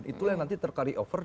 itu yang nanti terkari over